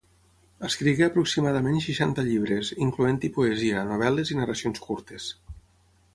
Escrigué aproximadament seixanta llibres, incloent-hi poesia, novel·les i narracions curtes.